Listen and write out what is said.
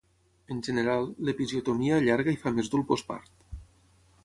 En general, l'episiotomia allarga i fa més dur el postpart.